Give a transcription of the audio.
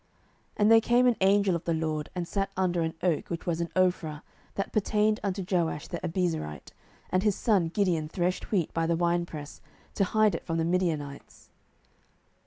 07:006:011 And there came an angel of the LORD, and sat under an oak which was in Ophrah, that pertained unto Joash the Abiezrite: and his son Gideon threshed wheat by the winepress, to hide it from the Midianites.